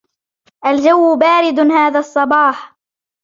الجو بارد هذا الصباح.